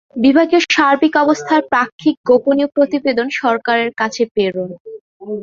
বিভাগীয় সার্বিক অবস্থার পাক্ষিক গোপনীয় প্রতিবেদন সরকারের কাছে প্রেরণ।